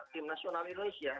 tim nasional indonesia